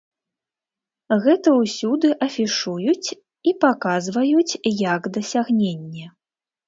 Гэта ўсюды афішуюць і паказваюць як дасягненне.